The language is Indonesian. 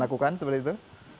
lakukan seperti itu